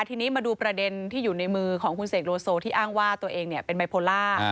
ทีนี้มาดูประเด็นที่อยู่ในมือของคุณเสกโลโซที่อ้างว่าตัวเองเป็นไมโพล่า